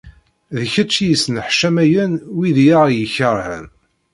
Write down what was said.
D kečč i yesneḥcamayen wid i aɣ-ikerhen.